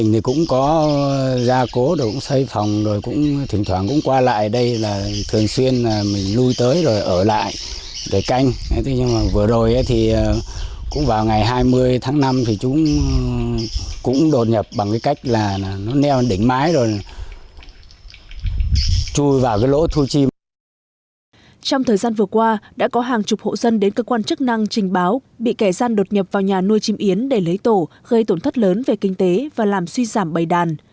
trong thời gian vừa qua đã có hàng chục hộ dân đến cơ quan chức năng trình báo bị kẻ gian đột nhập vào nhà nuôi chim yến để lấy tổ gây tổn thất lớn về kinh tế và làm suy giảm bày đàn